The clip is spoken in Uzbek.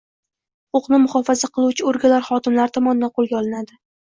huquqni muhofaza qiluvchi organlar xodimlari tomonidan qo‘lga olinadi.